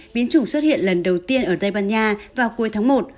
biến chủng xuất hiện lần đầu tiên ở giây bàn nha vào cuối tháng một